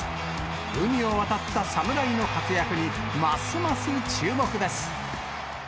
海を渡った侍の活躍に、ますます注目です。